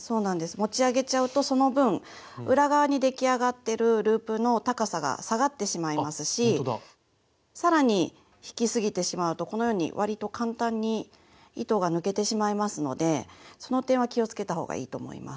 持ち上げちゃうとその分裏側に出来上がってるループの高さが下がってしまいますし更に引きすぎてしまうとこのようにわりと簡単に糸が抜けてしまいますのでその点は気をつけたほうがいいと思います。